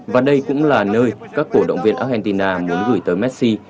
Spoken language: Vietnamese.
và đây cũng là nơi các cổ động viên argentina muốn gửi tới messi